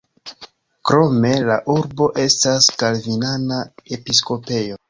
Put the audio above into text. Krome la urbo estas kalvinana episkopejo.